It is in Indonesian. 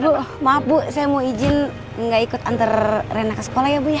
bu maaf bu saya mau izin nggak ikut antar rena ke sekolah ya bu ya